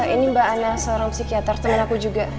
ini mbak anna seorang psikiater temen aku juga